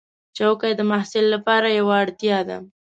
چوکۍ د محصل لپاره یوه اړتیا ده.